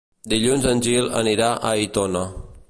Dilluns en Gil anirà a Aitona.